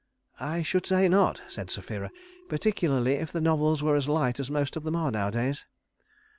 "I should say not," said Sapphira, "particularly if the novels were as light as most of them are nowadays."